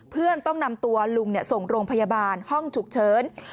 เพื่อนต้องนำตัวลุงส่งโรงพยาบาลห้องฉุกเฉิน